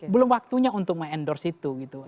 belum waktunya untuk mengendorse itu gitu